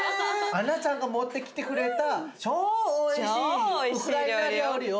アンナちゃんが持ってきてくれた超おいしい料理よ。